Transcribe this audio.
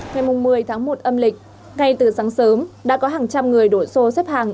ngày một mươi tháng một âm lịch ngay từ sáng sớm đã có hàng trăm người đổ xô xếp hàng